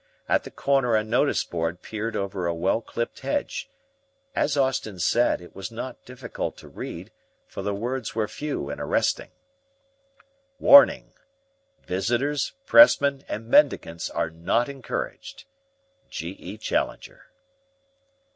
At the corner a notice board peered over a well clipped hedge. As Austin said, it was not difficult to read, for the words were few and arresting: ++| WARNING. |||| Visitors, Pressmen, and Mendicants || are not encouraged. |||| G. E. CHALLENGER.